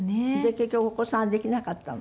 結局お子さんはできなかったの？